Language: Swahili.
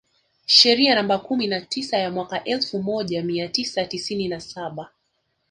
Sheria namba kumi na tisa ya mwaka elfu moja mia tisa tisini na saba